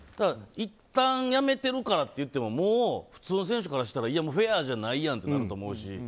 いったんやめてるからといってももう普通の選手からしたらいや、フェアじゃないやんってなると思うし。